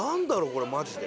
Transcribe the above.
これマジで。